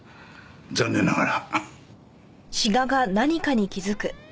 残念ながら。